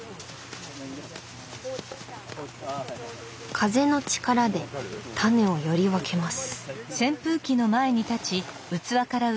風の力でタネをより分けます。